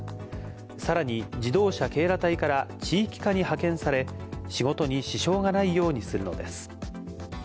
さらに、自動車警ら隊から地域課に派遣され、仕事に支障がないようにするのです。